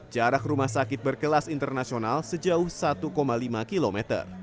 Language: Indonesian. jarak rumah sakit berkelas internasional sejauh satu lima km